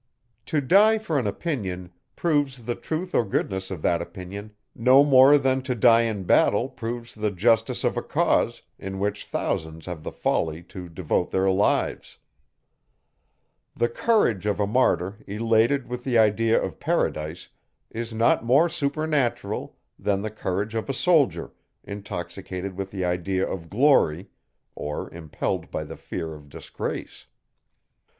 To die for an opinion, proves the truth or goodness of that opinion no more than to die in battle proves the justice of a cause, in which thousands have the folly to devote their lives. The courage of a martyr, elated with the idea of paradise, is not more supernatural, than the courage of a soldier, intoxicated with the idea of glory, or impelled by the fear of disgrace.